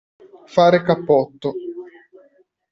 Fare cappotto.